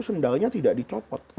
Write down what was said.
sendalnya tidak dicopot